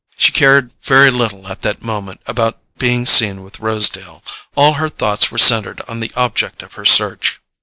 She cared very little at that moment about being seen with Rosedale: all her thoughts were centred on the object of her search.